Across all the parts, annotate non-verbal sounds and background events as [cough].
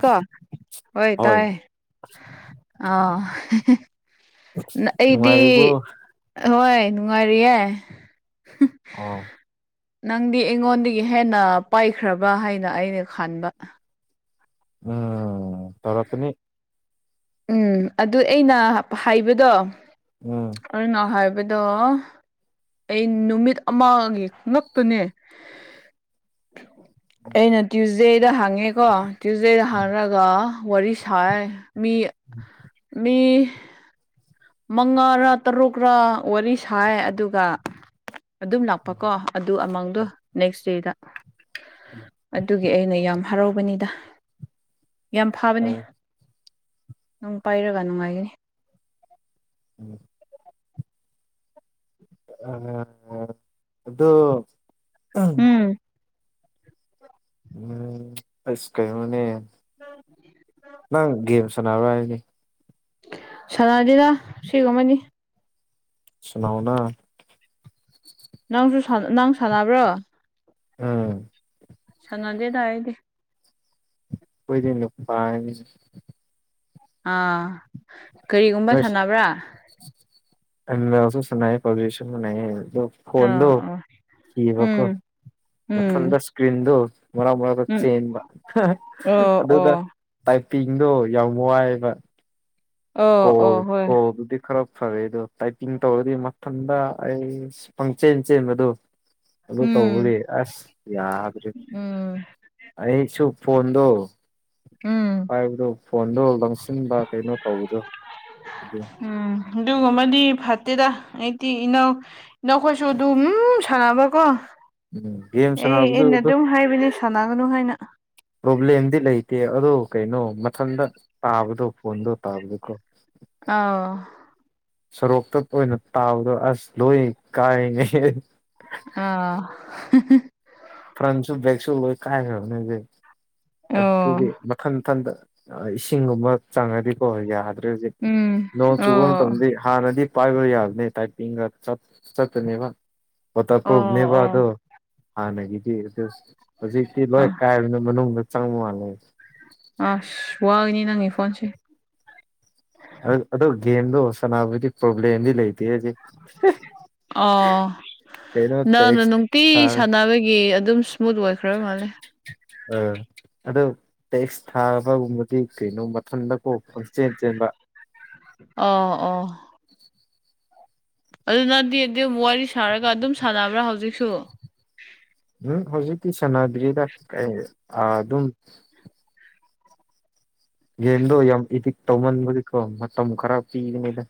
ꯀꯣ ꯍꯣꯏ ꯇꯥꯏꯌꯦ ꯑꯣ ꯑꯩꯗꯤ ꯅꯨꯡꯉꯥꯏꯔꯤꯕꯣ ꯍꯣꯏ ꯅꯨꯡꯉꯥꯏꯔꯤꯌꯦ ꯑꯣ ꯅꯪꯗꯤ ꯑꯩꯉꯣꯟꯗꯒꯤ ꯍꯦꯟꯅ ꯄꯥꯏꯈ꯭ꯔꯕ ꯍꯥꯏꯅ ꯑꯩꯅ ꯈꯟꯕ ꯎꯝ ꯇꯧꯔꯛꯀꯅꯤ ꯎꯝ ꯑꯗꯨ ꯑꯩꯅ ꯍꯥꯏꯕꯗꯣ ꯎꯝ ꯑꯩꯅ ꯍꯥꯏꯕꯗꯣ ꯑꯩ ꯅꯨꯃꯤꯠ ꯑꯃꯒꯤ ꯉꯛꯇꯅꯦ [inaudible] ꯑꯩꯅ ꯇ꯭ꯌꯨꯁꯗꯦꯗ ꯍꯪꯉꯦꯀꯣ ꯇ꯭ꯌꯨꯁꯗꯦꯗ ꯍꯪꯔꯒ ꯋꯥꯔꯤ ꯁꯥꯏꯔꯦ ꯃꯤ ꯎꯝ ꯃꯤ ꯃꯉꯥꯔꯥ ꯇꯔꯨꯛꯔ ꯋꯥꯔꯤ ꯁꯥꯏ ꯑꯗꯨꯒ ꯑꯗꯨꯝ ꯂꯥꯛꯄꯀꯣ ꯑꯗꯨ ꯑꯃꯥꯎꯗꯣ ꯅꯦꯛꯁ ꯗꯦꯗ ꯑꯗꯨꯒꯤ ꯑꯩꯅ ꯌꯥꯝ ꯍꯔꯥꯎꯕꯅꯤꯗ ꯌꯥꯝ ꯐꯕꯅꯦ ꯎꯝ ꯅꯪ ꯄꯥꯏꯔꯒ ꯅꯨꯡꯉꯥꯏꯒꯅꯤ ꯎꯝ ꯑ ꯑꯗꯨ ꯎꯝ ꯎꯝ ꯑꯁ ꯀꯩꯅꯣꯅꯦ ꯅꯪ ꯒꯦꯝ ꯁꯥꯅꯕ꯭ꯔꯥ ꯍꯥꯏꯕꯅꯦ ꯁꯥꯟꯗꯦꯗ ꯁꯤꯒꯨꯝꯕꯗꯤ ꯁꯅꯥꯎꯅ ꯅꯪꯁꯨ ꯁꯥꯅ ꯅꯪ ꯁꯥꯟꯅꯕ꯭ꯔꯣ ꯎꯝ ꯁꯥꯟꯗꯦꯗ ꯑꯩꯗꯤ ꯑꯩꯈꯣꯏꯗꯤ ꯅꯨꯄꯥꯅꯤ ꯑꯥ ꯀꯔꯤꯒꯨꯝꯕ ꯁꯥꯟꯅꯕ꯭ꯔꯥ ꯑꯝ ꯏꯜ ꯁꯨ ꯁꯥꯅꯩ ꯄꯞꯖꯤꯁꯨ ꯁꯥꯅꯩ ꯑꯗꯨ ꯐꯣꯟꯗꯣ ꯑꯥ ꯑꯥ ꯀꯤꯕꯀꯣ ꯎꯝ ꯎꯝ ꯃꯊꯟꯗ ꯀ꯭ꯔꯤꯗꯣ ꯃꯔ ꯃꯔꯛꯇ ꯎꯝ ꯆꯦꯟꯕ ꯑꯣ ꯑꯗꯨꯗ ꯑꯣ ꯇꯥꯏꯄꯤꯡꯗꯣ ꯌꯥꯝ ꯋꯥꯏꯑꯦꯕ ꯑꯣ ꯀꯣꯜ ꯑꯣ ꯍꯣꯏ ꯀꯣꯜ ꯗꯨꯗꯤ ꯈꯔꯥ ꯐꯔꯦ ꯑꯗꯣ ꯇꯥꯏꯄꯤꯡ ꯇꯧꯔꯗꯤ ꯃꯊꯟꯗ ꯑꯩ ꯄꯪꯆꯦꯟ ꯆꯦꯟꯕꯗꯣ ꯑꯗꯨ ꯎꯝ ꯇꯧꯕꯒꯤ ꯑꯁ ꯌꯥꯗ꯭ꯔꯦ ꯎꯝ ꯑꯩꯁꯨ ꯐꯣꯟꯗꯣ ꯎꯝ ꯄꯥꯏꯕꯗꯣ ꯐꯣꯟꯗꯣ ꯂꯪꯁꯤꯟꯕ ꯀꯩꯅꯣ ꯇꯧꯕꯗꯣ ꯑꯗꯨꯏ ꯎꯝ ꯑꯗꯨꯒꯨꯝꯕꯗꯤ ꯐꯠꯇꯦꯗ ꯏꯆꯤꯟ ꯏꯅꯥꯎ ꯅꯈꯣꯏꯁꯨ ꯑꯗꯨꯝ ꯁꯥꯟꯅꯕꯀꯣ ꯎꯝ ꯒꯦꯝ ꯑꯩ ꯁꯥꯟꯅꯕꯗꯨ ꯑꯩꯅ ꯑꯗꯨ ꯑꯗꯨꯝ ꯍꯥꯏꯕꯅꯦ ꯁꯥꯟꯅꯒꯅꯨ ꯍꯥꯏꯅ ꯄ꯭ꯔꯣꯕ꯭ꯂꯦꯝꯗꯤ ꯂꯩꯇꯦ ꯑꯗꯣ ꯀꯩꯅꯣ ꯃꯊꯟꯇ ꯇꯥꯕꯗꯣ ꯐꯣꯟꯗꯣ ꯇꯥꯕꯅꯦꯀꯣ ꯑꯧ ꯁꯣꯔꯣꯛꯇ ꯑꯣꯏꯅ ꯇꯥꯕꯗꯣ ꯑꯁ ꯂꯣꯏ ꯀꯥꯏꯅꯦ ꯑ ꯍ ꯍ ꯐ꯭ꯔꯟꯁꯨ ꯕꯦꯛꯁꯨꯨ ꯂꯣꯏ ꯀꯥꯏ ꯈ꯭ꯔꯕꯅꯦ ꯑꯩꯗꯤ ꯑꯣ ꯑꯗꯨꯒꯤ ꯃꯊꯟ ꯃꯊꯟꯇ ꯏꯁꯤꯡꯒꯨꯝꯕ ꯆꯪꯉꯗꯤꯀꯣ ꯌꯥꯗ ꯎꯝ ꯅꯣꯡ ꯆꯨꯕ ꯑꯣ ꯃꯇꯝꯗꯗꯤ ꯍꯥꯟꯅꯗꯤ ꯄꯥꯏꯕ ꯌꯥꯗꯦ ꯇꯥꯏꯄꯤꯡꯒ ꯆꯞ ꯆꯠꯄꯅꯦꯕ ꯑꯣ ꯋꯥꯇ꯭ꯔꯄꯔꯐꯅꯦꯕ ꯑꯣ ꯑꯗꯣ ꯍꯥꯟꯅꯒꯤꯗꯤ ꯑꯗꯣ ꯍꯧꯖꯤꯛꯇꯤ ꯂꯣꯏ ꯀꯥꯏꯕꯅꯤ ꯃꯅꯨꯡꯗ ꯆꯪꯕ ꯃꯥꯜꯂꯦ ꯑꯁ ꯋꯥꯒꯅꯤ ꯅꯪꯒꯤ ꯐꯣꯟꯁꯦ ꯑ ꯑꯗꯨꯗꯣ ꯒꯦꯝꯗꯣ ꯍꯁꯅꯥꯕꯗꯤ ꯄ꯭ꯔꯣꯕ꯭ꯂꯦꯝꯗꯤ ꯂꯩꯇꯦꯍꯦꯗꯤ ꯑꯣ ꯀꯩꯅꯣ ꯅꯪꯅ ꯇꯦꯛꯁ ꯅꯨꯡꯇꯤ ꯊꯥꯔ ꯁꯥꯟꯅꯕꯒꯤ ꯑꯗꯨꯝ ꯁ꯭ꯃꯨꯠ ꯑꯣꯏꯈ꯭ꯔ ꯃꯥꯜꯂꯦ ꯑꯥ ꯑꯗꯨ ꯇꯦꯛꯁ ꯊꯥꯕꯒꯨꯝꯕꯗꯤ ꯀꯩꯅꯣ ꯃꯊꯟꯇ ꯀꯣ ꯈꯪ ꯆꯦꯟ ꯆꯦꯟꯕ ꯑꯣ ꯑꯣ [inaudible] ꯑꯗꯨꯅꯪꯗꯤ ꯑꯗꯨꯝ ꯋꯥꯔꯤ ꯁꯥꯔꯒ ꯑꯗꯨꯝ ꯁꯥꯟꯅꯕ꯭ꯔꯥ ꯍꯧꯖꯤꯛꯁꯨ ꯎꯝ ꯍꯧꯖꯤꯛꯇꯤ ꯁꯥꯟꯅꯗ꯭ꯔꯤꯗ ꯑꯗꯨꯝ ꯒꯦꯝꯗꯣ ꯌꯥꯝ ꯏꯗꯤꯛ ꯇꯧꯃꯟꯕꯗꯤꯀꯣ ꯃꯇꯝ ꯈꯔ ꯄꯤꯒꯅꯤꯗ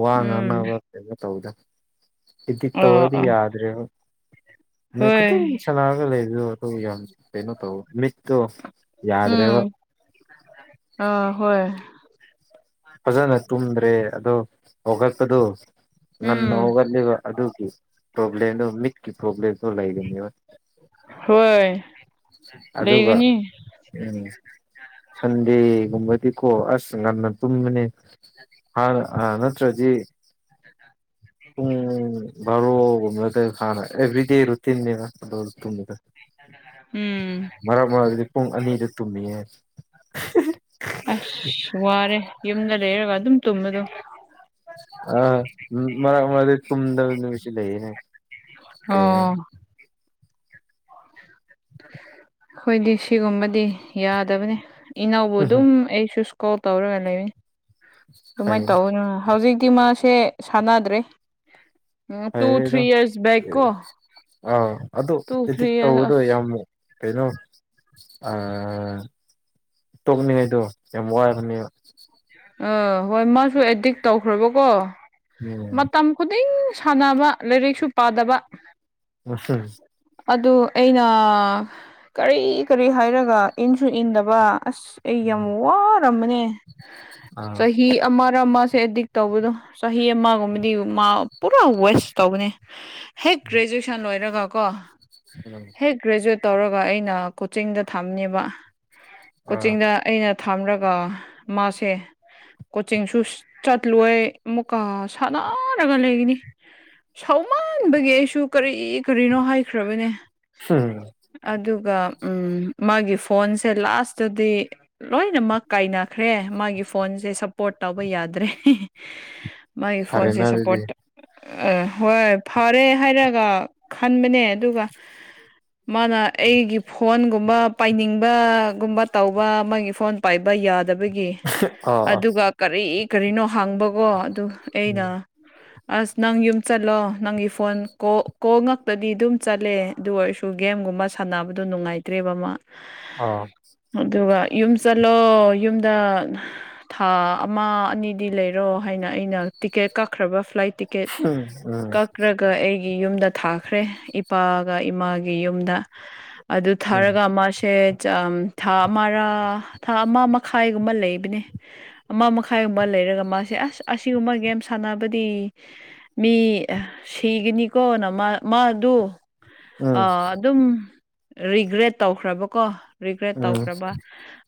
ꯋꯥ ꯎꯝ ꯉꯥꯡꯅꯕ ꯀꯩꯅꯣ ꯇꯧꯗꯦ ꯏꯗꯤꯛ ꯑꯥ ꯇꯧꯔꯗꯤ ꯑꯥ ꯌꯥꯗ꯭ꯔꯦꯕ ꯅꯨꯃꯤꯠ ꯍꯣꯏ ꯈꯨꯗꯤꯡ ꯁꯥꯟꯅꯔꯒ ꯂꯩꯕꯗꯣ ꯑꯗꯨ ꯌꯥꯝ ꯀꯩꯅꯣ ꯇꯧꯋꯦ ꯃꯤꯠꯇꯣ ꯌꯥꯗ꯭ꯔꯦꯕ ꯎꯝ ꯑ ꯍꯣꯏ ꯐꯖꯅ ꯇꯨꯝꯗ꯭ꯔꯦ ꯑꯗꯣ ꯍꯧꯒꯠꯄꯗꯨ ꯉꯟꯅ ꯎꯝ ꯍꯧꯒꯠꯜꯂꯤꯕ ꯑꯗꯨꯒꯤ ꯄ꯭ꯔꯣꯕ꯭ꯂꯦꯝꯗꯨ ꯃꯤꯠꯀꯤ ꯄ꯭ꯔꯣꯕ꯭ꯂꯦꯝꯗꯨꯣ ꯂꯩꯒꯅꯦꯕ ꯍꯣꯏ ꯑꯗꯨꯒ ꯂꯩꯒꯅꯤ ꯎꯝ ꯁꯟꯗꯦꯒꯨꯝꯕꯗꯤꯀꯣ ꯑꯁ ꯉꯟꯅ ꯇꯨꯝꯕꯅꯦ ꯍꯥꯟ ꯑ ꯅꯠꯇ꯭ꯔꯗꯤ ꯄꯨꯡ ꯕꯥꯔꯣ ꯒꯨꯝꯕ ꯅꯠꯇ꯭ꯔꯗꯤ ꯐꯥꯔꫭꯏ ꯑꯦꯕ꯭ꯔꯤ ꯗꯦ ꯔꯨꯇꯤꯟꯅꯦꯕ ꯑꯗꯨ ꯇꯨꯝꯃꯤꯗꫭ ꯎꯝ ꯃꯔꯛ ꯃꯔꯥꯛꯗꯗꯤ ꯄꯨꯡ ꯑꯅꯤꯗ ꯇꯨꯝꯃꯤꯍꯦ ꯋꯥꯔꯦ ꯌꯨꯝꯗ ꯂꯩꯔꯒ ꯑꯗꯨꯝ ꯇꯨꯝꯕꯗꯣ ꯑ ꯃ ꯃꯔꯛ ꯃꯔꯛꯗꯤ ꯇꯨꯝꯗꯕ ꯅꯨꯃꯤꯠꯁꯨ ꯂꯩꯅꯦ ꯀꯩꯅꫭ ꯑꯣ ꯈꫭꯏꯗꯤ ꯁꯤꯒꯨꯝꯕꯗꯤ ꯌꯥꯗꯕꯅꯦ ꯏꯅꯥꯎꯕꯨ ꯎꯝ ꯑꯗꯨꯝ ꯑꯩꯁꯨ ꯀꯣꯜ ꯇꯧꯔꯒ ꯂꯩꯔꯦ ꯐꯩ ꯑꯗꯨꯃꯥꯏꯅ ꯇꯧꯒꯅꯨ ꯍꯧꯖꯤꯛꯇꯤ ꯃꯥꯁꯦ ꯁꯥꯟꯅꯗ꯭ꯔꯦ ꯇꯨ ꯊ꯭ꯔꯤ ꯏꯌꯔꯁ ꯕꯦꯛ ꯀꯣ ꯑ ꯑꯗꯨ ꯇꯨ ꯊ꯭ꯔꯤ ꯑꯦꯗꯤꯛ ꯌꯔꯁ ꯇꯧꯕꯗꯨ ꯑꯁ ꯌꯥꯝꯅ ꯀꯩꯅꯣ ꯑ ꯇꯣꯛꯅꯤꯡꯉꯥꯏꯗꯣ ꯌꯥꯝ ꯋꯥꯕꯅꯦꯕ ꯑꯥ ꯍꯣꯏ ꯃꯥꯁꯨ ꯑꯦꯗꯤꯛ ꯇꯧꯈ꯭ꯔꯕꯀꯣ ꯎꯝ ꯃꯇꯝ ꯈꯨꯗꯤꯡ ꯁꯥꯟꯅꯕ ꯂꯥꯏꯔꯤꯛꯁꯨ ꯄꯥꯗꯕ ꯎꯝꯍꯝ ꯑꯗꯨ ꯑꯩꯅ ꯀꯔꯤ ꯀꯔꯤ ꯍꯥꯏꯔꯒ ꯏꯟꯁꯨ ꯏꯟꯗꯕ ꯑꯁ ꯑꯩ ꯌꯥꯝ ꯎꯝ ꯋꯥꯔꯝꯕꯅꯦ ꯑꯥ ꯆꯍꯤ ꯆꯍꯤ ꯑꯃꯔ ꯃꯥꯁꯦ ꯑꯦꯗꯤꯛ ꯇꯧꯕꯗꯣ ꯆꯍꯤ ꯑꯃ ꯒꯨꯝꯕꯗꯤ ꯃꯥ ꯄꯨꯔꯥ ꯋꯦꯁꯠ ꯇꯧꯕꯅꯦ ꯍꯦꯛ ꯒ꯭ꯔꯦꯖꯨꯋꯦꯁꯟ ꯂꯣꯏꯔꯒ ꯀꯣ [inaudible] ꯍꯦꯛ ꯒ꯭ꯔꯦꯖꯨꯋꯦꯠ ꯇꯧꯔꯒ ꯑꯩꯅ ꯀꯣꯆꯤꯡꯗ ꯊꯝꯅꯦꯕ ꯑꯥ ꯀꯣꯆꯤꯡꯗ ꯑꯩꯅ ꯊꯥꯝꯔꯒ ꯃꯥꯁꯦ ꯀꯣꯆꯤꯡꯁꯨ ꯆꯠꯂꯣꯏ ꯑꯃꯨꯛꯀ ꯁꯥꯟꯅꯔꯒ ꯂꯩꯒꯅꯤ ꯁꯥꯎꯃꯟꯥꯟꯕꯒꯤ ꯑꯩꯁꯨ ꯀꯔꯤ ꯀꯔꯤꯅꯣ ꯍꯥꯏꯈ꯭ꯔꯕꯅꯦ ꯍꯝ ꯑꯗꯨꯒ ꯃꯥꯒꯤ ꯐꯣꯟꯁꯦ ꯂꯥꯁꯇꯗꯤ ꯂꯣꯏꯅꯃꯛ ꯀꯥꯏꯅꯈ꯭ꯔꯦ ꯃꯥꯒꯤ ꯐꯣꯟꯁꯦ ꯁꯞꯄꯣꯔꯠ ꯇꯧꯕ ꯌꯥꯗ꯭ꯔꯦ ꯃꯥꯒꯤ ꯐꯣꯟꯁꯦ ꯐꯔꯦꯅ ꯑꯗꯨꯗꯤ ꯁꯄꯣꯔꯠ ꯇꯧ ꯑ ꯍꯣꯏ ꯐꯔꯦ ꯍꯥꯏꯔꯒ ꯈꯟꯕꯅꯦ ꯑꯗꯨꯒ ꯃꯥꯅ ꯑꯩꯒꯤ ꯐꯣꯟꯒꯨꯝꯕ ꯄꯥꯏꯅꯤꯡꯕꯒꯨꯝꯕ ꯇꯧꯕ ꯃꯥꯒꯤ ꯐꯣꯟ ꯄꯥꯏꯕ ꯌꯥꯗ ꯗꯕꯒꯤ ꯑꯥ ꯑꯥ ꯑꯗꯨꯒ ꯀꯔꯤ ꯀꯔꯤꯅꯣ ꯍꯥꯡꯕꯀꯣ ꯑꯗꯨ ꯑꯩꯅ [inaudible] ꯑꯁ ꯅꯪ ꯌꯨꯝ ꯆꯠꯂꯣ ꯅꯪꯒꯤ ꯐꯣꯟ ꯀꯣ ꯀꯣꯜ ꯉꯥꯛꯇꯗꯤ ꯑꯗꯨꯝ ꯆꯠꯂꯦ ꯑꯗꯨ ꯑꯣꯏꯔꯁꯨ ꯒꯦꯝꯒꯨꯝꯕ ꯁꯥꯟꯅꯕꯗꯨ ꯅꯨꯡꯉꯥꯏꯇ꯭ꯔꯦꯕ ꯃꯥ ꯑꯥ ꯑꯗꯨꯒ ꯌꯨꯝ ꯆꯠꯂꯣ ꯌꯨꯝꯗ ꯊꯥ ꯑꯃ ꯑꯅꯤꯗꯤ ꯂꯩꯔꯣ ꯍꯥꯏꯅ ꯑꯩꯅ ꯇꯤꯛꯀꯦꯠ ꯀꯛꯈ꯭ꯔꯕ ꯐ꯭ꯂꯥꯏꯠ ꯇꯤ ꯀ‌ꯦꯠ ꯎꯝ ꯎꯝ ꯀꯛꯔꯛ ꯒ ꯑꯩꯒꯤ ꯌꯨꯝꯗ ꯊꯥꯈ꯭ꯔꯦ ꯏꯄꯥꯒ ꯏꯃꯥꯒꯤ ꯌꯨꯝꯗ ꯑꯗꯨ ꯊꯥꯔꯒ ꯃꯥꯁꯦ ꯖꯝ ꯊꯥ ꯑꯃꯔ ꯊꯥ ꯑꯃ ꯃꯈꯥ ꯥꯑꯥꯏꯒꯨꯝꯕ ꯂꯩꯕꯅꯦ ꯑꯃ ꯃꯈꯥꯏꯒꯨꯝꯕ ꯂꯩꯔꯒ ꯃꯥꯁꯦ ꯑꯁ ꯑꯁꯤꯒꯨꯝꯕ ꯒꯦꯝ ꯁꯥꯟꯅꯕꯗꯤ ꯃꯤ ꯑ ꯁꯤꯒꯅꯤꯀꯣꯅ ꯃꯥ ꯃꯥꯗꯨ ꯎꯝ ꯑ ꯑꯗꯨꯝ ꯔꯤꯒ꯭ꯔꯦꯠ ꯇꯧꯈ꯭ꯔꯕꯀꯣ ꯔꯤꯒ꯭ꯔꯦꯠ ꯎꯝ ꯇꯧꯈ꯭ꯔꯕ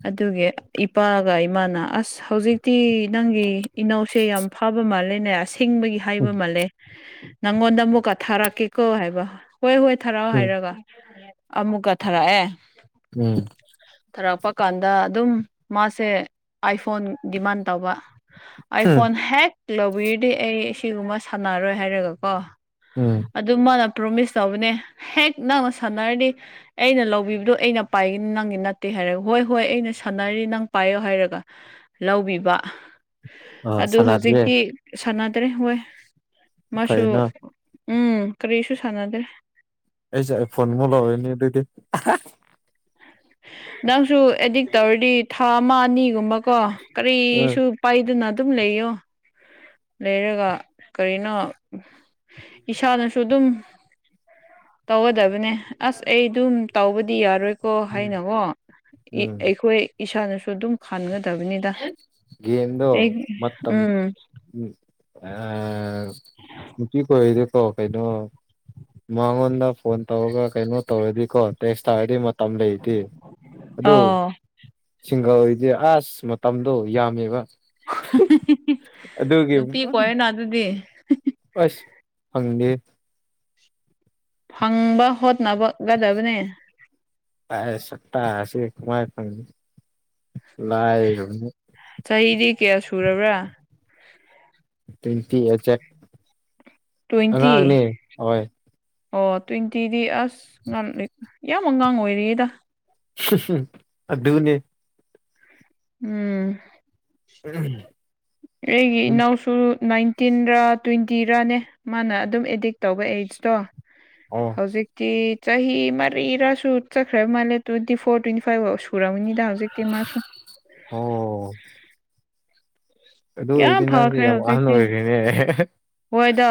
ꯑꯗꯨꯒꯤ ꯏꯄꯥꯒ ꯏꯃꯥꯅ ꯑꯁ ꯍꯧꯖꯤꯛꯇꯤ ꯅꯪꯒꯤ ꯏꯅꯧꯁꯦ ꯌꯥꯝ ꯐꯥꯕ ꯃꯥꯜꯂꯦꯅꯦ ꯑꯁꯤꯡꯕꯒꯤ ꯎꯝ ꯍꯥꯏꯕ ꯃꯥꯜꯂꯦ ꯅꯪꯉꯣꯟꯗ ꯑꯃꯨꯛꯀ ꯊꯥꯔꯛꯀꯦꯀꯣ ꯍꯥꯏꯕ ꯍꯣꯏ ꯍꯣꯏ ꯊꯥꯔꯛꯑꯣ ꯎꯝ ꯍꯥꯏꯔꯒ ꯑꯃꯨꯛꯀ ꯊꯔꯛꯑꯦ ꯎꯝ ꯊꯥꯔꯛꯄ ꯀꯥꯟꯗ ꯑꯗꯨꯝ ꯃꯥꯁꯦ ꯑꯥꯏꯐꯣꯟ ꯗꯤꯃꯥꯟ ꯇꯧꯕ ꯍꯨꯝ ꯑꯥꯏꯐꯣꯟ ꯍꯦꯛ ꯂꯧꯕꯤꯔꯗꯤ ꯑꯩ ꯁꯤꯒꯨꯝꯕ ꯁꯥꯟꯅꯔꯣꯏ ꯍꯥꯏꯔꯒ ꯀꯣ ꯎꯝ ꯑꯗꯨ ꯃꯥꯅ ꯄ꯭ꯔꯣꯃꯤꯁ ꯇꯧꯕꯅꯦ ꯍꯦꯛ ꯅꯪꯅ ꯁꯥꯟꯅꯔꯗꯤ ꯑꯩꯅ ꯂꯧꯕꯤꯕꯗꯣ ꯑꯩꯅ ꯄꯥꯏꯒꯅꯤ ꯅꯪꯒꯤ ꯅꯠꯇꯦ ꯍꯥꯏꯔꯒ ꯍꯣꯏ ꯍꯣꯏ ꯑꯩꯅ ꯁꯥꯟꯅꯔꯤ ꯅꯪ ꯄꯥꯏꯌꯣ ꯍꯥꯏꯔꯒ ꯂꯧꯕꯤꯕ ꯑꯥ ꯑꯗꯨ ꯁꯥꯟꯅꯗ꯭ꯔꯤꯌꯦ ꯍꯧꯖꯤꯛꯇꯤ ꯁꯥꯟꯅꯗ꯭ꯔꯦ ꯍꯣꯏ ꯃꯥꯁꯨ ꯐꯩꯅ ꯎꯝ ꯀꯔꯤꯁꯨ ꯁꯥꯟꯅꯗ꯭ꯔꯦ ꯑꯩꯁꯨ ꯑꯥꯏꯐꯣꯟꯃꯨꯛ ꯂꯧꯔꯅꯤ ꯑꯗꯨꯗꯤ ꯅꯪꯁꯨ ꯑꯦꯗꯤꯛ ꯇꯧꯔꯗꯤ ꯊꯥ ꯑꯃ ꯑꯅꯤꯒꯨꯝꯕꯀꯣ ꯎꯝ ꯀꯔꯤꯁꯨ ꯄꯥꯏꯗꯅ ꯑꯗꯨꯝ ꯂꯩꯌꯣ ꯂꯩꯔꯒ ꯀꯔꯤꯅꯣ ꯏꯁꯥꯅꯁꯨ ꯑꯗꯨꯝ ꯇꯧꯒꯗꯕꯅꯦ ꯑꯁ ꯑꯩ ꯑꯗꯨꯝ ꯇꯧꯕꯗꯤ ꯌꯥꯔꯣꯏ ꯀꯣ ꯎꯝ ꯍꯥꯏꯅꯒ‌ꯣ ꯏ ꯎꯝ ꯑꯩꯈꯣꯏ ꯏꯁꯥꯅꯁꯨ ꯑꯗꯨꯝ ꯈꯥꯟꯒꯗꯕꯅꯤꯗ ꯒꯦꯝꯗꯣ ꯑꯩ ꯃꯇꯝ ꯎꯝ ꯎꯝ ꯑ ꯅꯨꯄꯤꯈ‌ꯣꯏꯗꯤ ꯀꯣ ꯀꯩꯅꯣ ꯃꯉꯣꯟꯗ ꯐꯣꯟ ꯇꯧꯔꯒ ꯀꯩꯅꯣ ꯇꯧꯔꯗꯤꯀꯣ ꯇꯦꯛꯁ ꯊꯥꯔꯗꯤ ꯃ ꯇꯝ ꯂꯩꯇꯦ ꯑꯗ‌ꯣ ꯑꯣ ꯁꯤꯡꯒꯜꯗꯤ ꯑꯥꯖ ꯃꯇꯝ ꯗꯣ ꯌꯥꯝꯃ‌ꯦꯕ ꯅꯨꯄꯤ ꯀ‌ꯣꯏꯔ‌ꯣꯅ ꯑꯗꯨꯗꯤ ꯑꯁ ꯐꯪꯗ‌ꯦ ꯐꯪꯕ ꯍꯣꯠꯅꯕ ꯒꯗꯕꯅꯦ ꯑꯖ ꯁꯛꯇꯥꯁꯤꯒ ꯀꯃꯥꯏ ꯐꯪꯅꯤ ꯂꯥꯏꯔꯝꯅꯤ ꯆꯍꯤꯗꯤ ꯀꯌꯥ ꯁꯨꯔꯕ꯭ꯔꯥ ꯇ‌ꯣꯏꯟꯇꯤ ꯑꯦꯛꯖ‌ꯦꯛ ꯇ‌ꯣꯏꯟꯇꯤ ꯍꯣꯏ ꯑꯣ ꯇ꯭ꯋꯦꯟꯇꯤꯗꯤ ꯑꯁ ꯉꯟ ꯌꯥꯝ ꯑꯉꯥꯡ ꯑꯣꯏꯔꯤꯌ‌ꯦꯗ ꯑꯗꯨꯅꯦ ꯎꯝ ꯑꯩꯒꯤ ꯏꯅꯥꯎꯁꯨ ꯨ [unintelligible] ꯅꯥꯏꯟꯇꯤꯟꯔ ꯇ꯭ꯋꯦꯟꯇꯤꯔꯅꯦ ꯃꯥꯅ ꯑꯗꯨꯝ ꯑꯦꯗꯦꯛ ꯇꯧꯕ ꯑꯦꯖꯇꯣ ꯑꯣ ꯍꯧꯖꯤꯛꯇꯤ ꯆꯍꯤ ꯃꯔꯤꯔꯁꯨ ꯆꯠꯈ꯭ꯔ ꯃꯥꯜꯂꯦ ꯇ꯭ꯋꯦꯟꯇꯤ ꯐꯣꯔ ꯇ꯭ꯋꯦꯟꯇꯤ ꯐꯥꯏꯚ ꯑꯣꯏ ꯄꯨꯨꯔꯝꯒꯅꯤꯗ ꯍꯧꯖꯤꯛꯇꯤ ꯃꯥꯁꯨ ꯑꯣ ꯑꯗꯨ ꯑꯣꯏꯗꯤ ꯌꯥꯝ ꯅꯪꯗꯤ ꯐꯈ꯭ꯔꯦ ꯌꯥꯝ ꯑꯍꯟ ꯍꯧꯖꯤꯛꯇꯤ ꯑꯣꯏꯔꯦꯅꯦ ꯍꯣꯏꯗ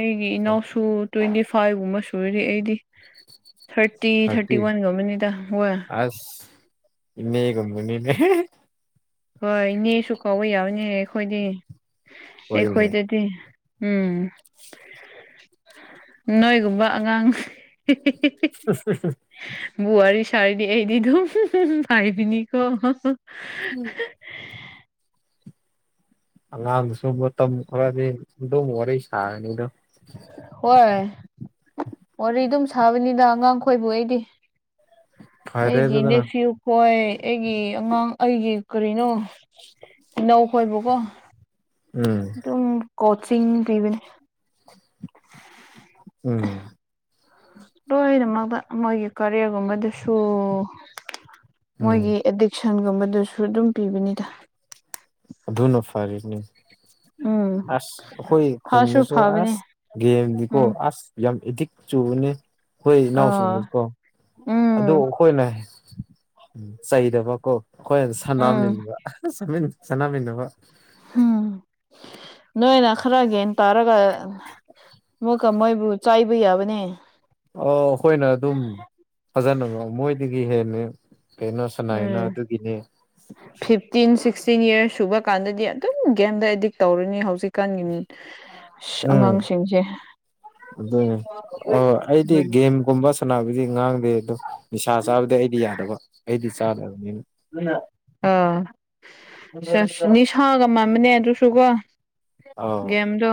ꯑꯩꯒꯤ ꯏꯅꯥꯎꯁꯨ ꯇ꯭ꯋꯦꯟꯇꯤ ꯐꯥꯏꯚꯒꯨꯝꯕ ꯁꯨꯔꯤ ꯑꯩꯗꯤ ꯊꯥꯔ ꯇꯤ ꯊꯥꯔꯇꯤ ꯋꯥꯟꯒꯕꯅꯤꯗ ꯋꯥ ꯑꯁ ꯏꯃꯦꯒꯨꯝꯕꯅꯤꯅꯦ [unintelligible] ꯍꯣꯏ ꯏꯅꯦꯁꯨ ꯀꯥꯎꯕ ꯌꯥꯕꯅꯦ ꯑꯩꯈꯣꯏꯗꯤ ꯍꯣꯏꯅꯦ ꯑꯩꯈꯣꯏꯗꯗꯤ ꯎꯝ ꯅꯣꯏꯒꯨꯝꯕ ꯑꯉꯥꯡ [unintelligible] [unintelligible] ꯋꯥꯔꯤ ꯁꯥꯏꯗꯤ ꯑꯩꯗꯤꯗꯨ [unintelligible] ꯍꯥꯏꯕꯤꯅꯤꯀꯣ [unintelligible] ꯎꯝ ꯑꯉꯥꯡꯗꯨꯁꯨ ꯑꯃꯨꯔꯛ ꯃꯇꯝ ꯈꯔꯗꯤ ꯑꯗꯨꯝ ꯋꯥꯔꯤ ꯁꯥꯔꯅꯤꯗꯣ ꯍꯣꯏ ꯋꯥꯔꯤ ꯑꯗꯨꯝ ꯁꯥꯕꯅꯤꯗ ꯑꯉꯥꯡ ꯈꯣꯏꯕꯨ ꯑꯩꯗꯤ ꯐꯔꯦ ꯑꯩꯒꯤ ꯑꯗꯨꯗꯅ ꯅꯦꯐ꯭ꯌꯨ ꯍꯣꯏ ꯑꯩꯒꯤ ꯑꯉꯥꯡ ꯑꯩꯒꯤ ꯀꯔꯤꯅꯣ ꯏꯅꯧ ꯈꯣꯏꯕꯨꯀꯣ ꯎꯝ ꯑꯗꯨꯝ ꯀꯣꯆꯤꯡ ꯄꯤꯕꯅꯦ ꯎꯝ ꯂꯣꯏꯅꯃꯛꯕ ꯃꯣꯏꯒꯤ ꯀꯔꯤꯌꯔꯒꯨꯝꯕꯗꯨꯁꯨ ꯎꯝ ꯃꯣꯏꯒꯤ ꯑꯦꯗꯤꯛꯁꯟꯒꯨꯝꯕꯗꯨꯁꯨ ꯑꯗꯨꯝ ꯄꯤꯕꯅꯤꯗ ꯑꯗꯨꯅ ꯐꯔꯕꯅꯤ ꯎꯝ ꯑꯁ ꯑꯩꯈꯣꯏ ꯐꯁꯨ ꯈꯨꯟꯗꯁꯨ ꯐꯕꯅꯦ ꯑꯁ ꯒꯦꯝꯗꯤ ꯀꯣ ꯎꯝ ꯑꯁ ꯌꯥꯝ ꯏꯗꯤꯛ ꯆꯨꯕꯅꯦ ꯑꯩꯈꯣꯏ ꯑꯥ ꯏꯅꯥꯎꯁꯤꯡꯗꯁꯨ ꯀꯣ ꯑꯗꯨ ꯎꯝ ꯑꯩꯈꯣꯏꯅ ꯎꯝ ꯆꯩꯗꯕ ꯀꯣ ꯑꯩꯈꯣꯏ ꯑꯗꯨ ꯎꯝ ꯁꯥꯟꯅꯃꯤꯟꯅꯕ ꯁꯥꯟꯅꯃꯤꯟꯅꯕ ꯍꯝ ꯅꯣꯏꯅ ꯈꯔ ꯒꯤꯌꯥꯟ ꯇꯥꯔꯒ ꯑꯃꯨꯛꯀ ꯃꯣꯏꯕꯨ ꯆꯥꯏꯕ ꯌꯥꯕꯅꯦ ꯑ ꯑꯩꯈꯣꯏꯅ ꯑꯗꯨꯝ ꯐꯖꯅ ꯃꯣꯏꯗꯒꯤ ꯍꯦꯟꯅ ꯀꯩꯅꯣ ꯁꯅꯥꯏꯅꯣ ꯎꯝ ꯑꯗꯨꯒꯤꯅꯦ ꯐꯤꯐꯇꯤꯟ ꯁꯤꯛꯁꯇꯤꯟ ꯌꯔꯁ ꯁꯨꯕ ꯀꯥꯟꯗꯗꯤ ꯑꯗꯨꯝ ꯒꯦꯝꯗ ꯑꯦꯗꯤꯛ ꯇꯧꯔꯅꯤ ꯍꯧꯖꯤꯛ ꯀꯥꯟꯒꯤ ꯎꯝ ꯑꯉꯥꯡꯁꯤꯡꯁꯦ ꯑꯗꯨꯅꯦ ꯑꯣ ꯑꯩꯗꯤ ꯒꯦꯝ ꯀꯨꯝꯕ ꯁꯅꯥꯕꯗꯤ ꯉꯥꯡꯗꯦ ꯑꯗꯣ ꯅꯤꯁꯥ ꯆꯥꯕꯗꯤ ꯑꯩꯗꯤ ꯌꯥꯗꯕ ꯑꯩꯗꯤ ꯆꯥꯗꯕꯅꯤꯅ ꯑꯥ ꯅꯤꯁꯥꯒ ꯃꯥꯟꯕꯅꯦ ꯑꯗꯨꯁꯨꯒ ꯑꯥꯎ ꯑꯦꯝꯗꯣ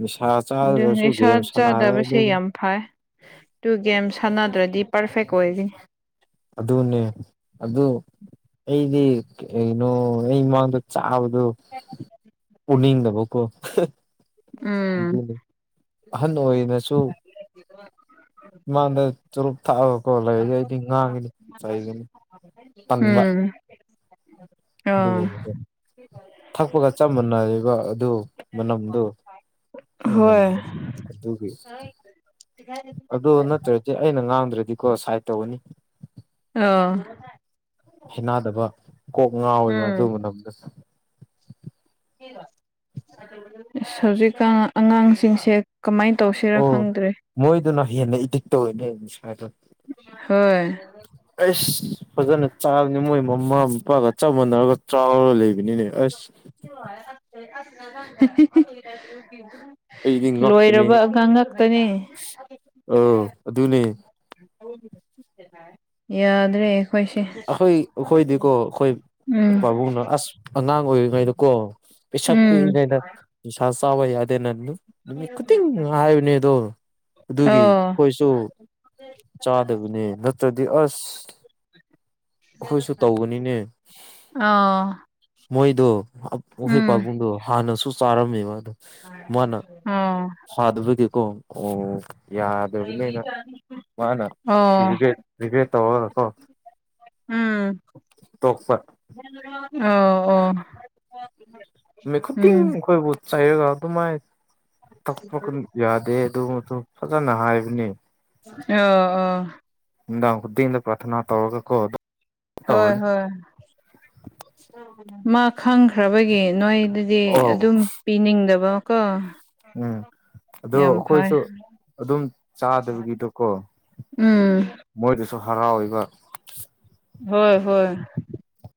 ꯅꯤꯁꯥ ꯗꯧ ꯆꯥꯗ꯭ꯔꯁꯨ ꯅꯤꯁ ꯒꯦꯝ ꯁꯥꯟꯅꯔꯦ ꯆꯥꯗꯕ ꯁꯤ ꯑꯗꯨꯒꯤ ꯌꯥꯝ ꯐꯥꯏ ꯇꯨꯒꯦꯝ ꯁꯥꯟꯅꯗ꯭ꯔꯗꯤ ꯄꯔꯐꯦꯛ ꯑꯣꯏꯒꯅꯤ ꯑꯗꯨꯅꯦ ꯑꯗꯨ ꯑꯩꯗꯤ ꯀꯩꯅꯣ ꯑꯩꯃꯥꯡꯗ ꯆꯥꯕꯗꯣ ꯎꯅꯤꯡꯗꯕꯀꯣ ꯎꯝ ꯑꯗꯨ ꯑꯍꯟ ꯑꯣꯏꯅꯁꯨ [unintelligible] ꯃꯥꯡꯗ ꯆꯨꯔꯨꯞ ꯊꯥꯛꯑꯒꯀꯣ ꯂꯩꯗꯤ ꯑꯩꯗꯤ ꯉꯥꯡꯒꯅꯤ ꯆꯩꯒꯅꯤ ꯇꯟꯕ [unintelligible] ꯑꯗꯨꯒꯨꯝꯕ ꯊꯛꯄꯒ ꯆꯞ ꯃꯥꯟꯅꯔꯤꯕ ꯑꯗꯨ ꯃꯅꯝꯗꯣ ꯍꯣꯏ [unintelligible] ꯑꯗꯨꯒꯤ ꯑꯗꯨꯗꯣ ꯅꯠꯇ꯭ꯔꯗꯤ ꯑꯩꯅ ꯉꯥꯡꯗ꯭ꯔꯗꯤꯀꯣ ꯁꯥꯏꯠ ꯇꯧꯒꯅꯤ ꯑꯥ ꯍꯦꯅꯥꯗꯕ ꯀꯣꯛ ꯉꯥꯎꯋꯦꯕ ꯑꯗꯨ ꯎꯝ ꯃꯅꯥꯝꯗꯁꯨ ꯍꯧꯖꯤꯛꯀꯥꯟ ꯑꯉꯥꯡꯁꯤꯡꯁꯦ ꯀꯃꯥꯏꯅ ꯇꯧꯁꯤꯔ ꯑꯣ ꯈꯪꯗ꯭ꯔꯦ ꯃꯣꯏꯗꯨꯅ ꯍꯦꯟꯅ ꯏꯗꯤꯛ ꯇꯧꯋꯦꯅꯦ ꯅꯤꯁꯥꯗꯣ ꯍꯣꯏ ꯑꯩꯁ ꯐꯖꯅ ꯆꯥꯕꯅꯤ ꯃꯣꯏ ꯃꯃꯥ ꯃꯄꯥꯒ ꯆꯞ ꯃꯥꯟꯅꯔꯒ ꯆꯥꯔꯔ ꯂꯩꯕꯅꯤꯅꯦ ꯑꯁ ꯑꯩꯗꯤ [unintelligible] ꯉꯛꯄꯅꯦ ꯂꯣꯏꯔꯕ ꯑꯥꯉꯡ ꯉꯥꯛꯇꯅꯤ ꯑꯥ ꯑꯗꯨꯅꯦ ꯌꯥꯗ꯭ꯔꯦ ꯑꯩꯈꯣꯏꯁꯦ ꯑꯩꯈꯣꯏ ꯑꯩꯈꯣꯏꯗꯤꯀꯣ ꯑꯩꯈꯣꯏ ꯎꯝ ꯄꯥꯕꯨꯡꯅꯣ ꯑꯁ ꯑꯉꯥꯡ ꯑꯣꯏꯔꯤꯉꯩꯗ ꯀꯣ ꯄꯤꯁꯛ ꯎꯝ ꯄꯤꯛꯏꯉꯩꯗ ꯅꯤꯁꯥ ꯆꯥꯕ ꯌꯥꯗꯦ ꯅꯪ ꯅꯨꯃꯤꯠ ꯈꯨꯗꯤꯡ ꯍꯥꯏꯕꯅꯦ ꯑꯗꯣ ꯑꯗꯨꯒꯤ ꯑꯣ ꯑꯩꯈꯣꯏꯁꯨ ꯆꯥꯗꯕꯅꯦ ꯅꯠꯇ꯭ꯔꯗꯤ ꯑꯁ ꯑꯩꯈꯣꯏꯁꯨ ꯇꯧꯕꯅꯤꯅꯦ ꯑ ꯃꯣꯏꯗꯣ ꯑꯈꯣꯏ ꯄꯥꯕꯨꯡꯗꯣ ꯍꯥꯟꯅꯁꯨ ꯆꯥꯔꯝꯃꯦꯕ ꯑꯗꯣ ꯎꯝ ꯐꯗꯕꯒꯦꯀꯣ ꯑꯣ ꯌꯥꯗꯕꯅꯤꯅ ꯃꯥꯅꯦ ꯑꯣ ꯔꯤꯒꯦꯠ ꯔꯤꯒꯦꯠ ꯇꯧꯔꯒ ꯀꯣ ꯎꯝ ꯇꯣꯛꯄ ꯑ ꯑꯣ ꯃꯤꯠ ꯈꯨꯗꯤꯡ ꯎꯝ ꯑꯩꯈꯣꯏꯕꯨ ꯆꯩꯔꯒ ꯑꯗꯨꯃꯥꯏꯅ ꯇꯛꯄ ꯌꯥꯗꯦ ꯑꯗꯨꯁꯨ ꯐꯖꯅ ꯍꯥꯏꯕꯅꯤ ꯑ ꯑ ꯅꯨꯃꯤꯗꯥꯡ ꯈꯨꯗꯤꯡꯗ ꯄꯥꯔꯊꯅꯥ ꯇꯧꯔꯒꯥ ꯀꯣ ꯍꯣꯏ ꯇꯧꯔꯅꯤ ꯍꯣꯏ ꯃꯥ ꯈꯪꯈ꯭ꯔꯕꯒꯤ ꯅꯣꯏ ꯑꯗꯨꯗꯤ ꯑꯣ ꯑꯗꯨꯝ ꯄꯤꯅꯤꯡꯗꯕ ꯀꯣ ꯎꯝ ꯑꯗꯣ ꯑꯩꯈꯣꯏꯁꯨ ꯑꯗꯨꯝ ꯆꯥꯗꯕꯒꯤꯗꯣꯀꯣ ꯎꯝ ꯃꯣꯏꯗꯁꯨ ꯍꯔꯥꯎꯕ ꯍꯣꯏ ꯍꯣꯏ